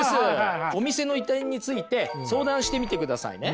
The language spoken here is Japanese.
お店の移転について相談してみてくださいね。